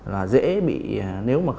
là dễ bị nếu mà